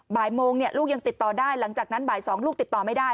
บ่ายโมงลูกยังติดต่อได้หลังจากนั้นบ่าย๒ลูกติดต่อไม่ได้